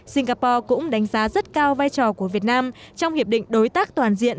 singapore cũng đánh giá rất cao vai trò của việt nam trong hiệp định đối tác toàn diện